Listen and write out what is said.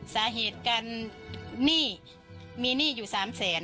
สาเหตุการหนี้มีหนี้อยู่๓แสน